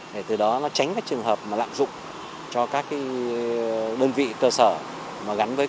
để từ đó tránh các trường hợp lạm dụng cho các đơn vị cơ sở